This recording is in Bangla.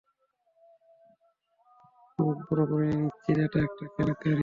তুমি কি পুরোপুরি নিশ্চিত এটা একটা কেলেঙ্কারী?